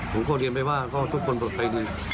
ผมก็เรียนไปว่าทุกคนตกไป